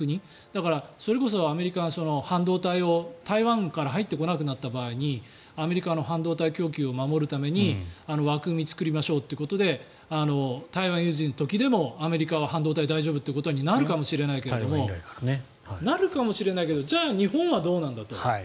だから、それこそアメリカが半導体が台湾から入ってこなくなった場合にアメリカの半導体供給を守るために枠組みを作りましょうということで台湾有事の時でもアメリカは半導体大丈夫ということになるかもしれないけどじゃあ日本はどうなんだと。